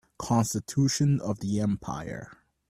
Constitution of the empire